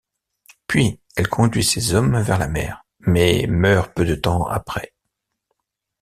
Puis, elle conduit ses hommes vers la mer, mais meurt peu de temps après.